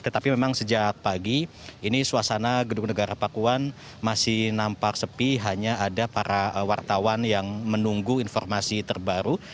tetapi memang sejak pagi ini suasana gedung negara pakuan masih nampak sepi hanya ada para wartawan yang menunggu informasi terbaru